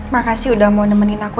makasih udah mau nemenin aku